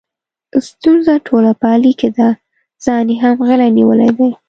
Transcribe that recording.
ستونزه ټوله په علي کې ده، ځان یې هم غلی نیولی دی.